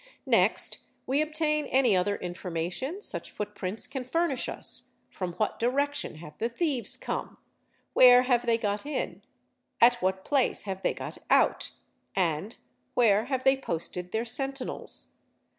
Next we obtain any other information such foot prints can furnish us: from what direction have the thieves come, where have they got in, at what place have they got out, and—where have they posted their sentinels?